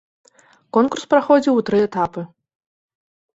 Конкурс праходзіў у тры этапы.